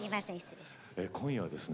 今夜はですね